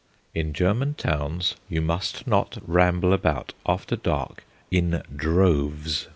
In German towns you must not ramble about after dark "in droves."